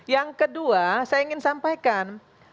yang kedua saya ingin sampaikan